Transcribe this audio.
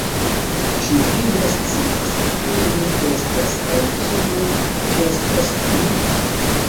Ĉu vi ne scias, kiu li estas, kaj kiu estas vi?